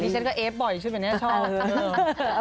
นี่ฉันก็เอฟบ่อยอีกชุดแบบนี้ชอบเฮ้อ